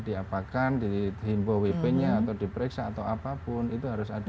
diapakan dihimpo wp nya atau diperiksa atau apapun itu harus ada